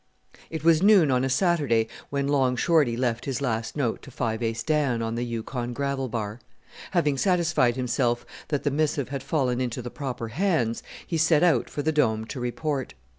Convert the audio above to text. It was noon on a Saturday when Long Shorty left his last note to Five Ace Dan on the Yukon gravel bar. Having satisfied himself that the missive had fallen into the proper hands, he set out for the Dome to report.